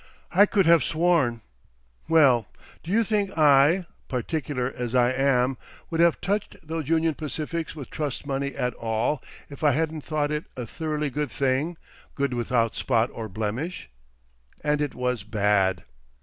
I could have sworn. Well, do you think I—particular as I am—would have touched those Union Pacifics with trust money at all, if I hadn't thought it a thoroughly good thing—good without spot or blemish?... And it was bad!